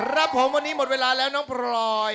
ครับผมวันนี้หมดเวลาแล้วน้องพลอย